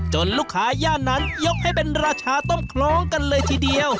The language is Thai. ลูกค้าย่านนั้นยกให้เป็นราชาต้มคล้องกันเลยทีเดียว